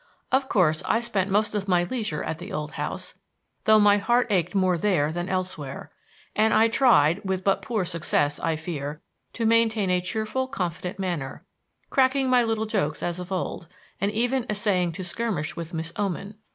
Of course, I spent most of my leisure at the old house, though my heart ached more there than elsewhere; and I tried, with but poor success, I fear, to maintain a cheerful, confident manner, cracking my little jokes as of old, and even essaying to skirmish with Miss Oman.